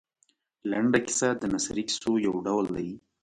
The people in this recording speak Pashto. لنډه کیسه د نثري کیسو یو ډول دی.